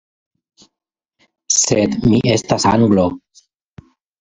Sed, mi estas Anglo.